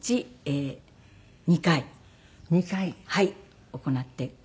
行ってください。